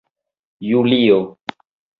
julio